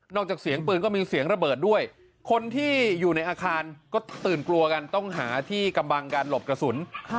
จากเสียงปืนก็มีเสียงระเบิดด้วยคนที่อยู่ในอาคารก็ตื่นกลัวกันต้องหาที่กำบังการหลบกระสุน